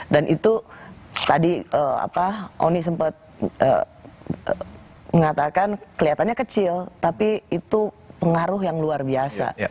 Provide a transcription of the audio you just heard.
dan itu tadi oni sempat mengatakan kelihatannya kecil tapi itu pengaruh yang luar biasa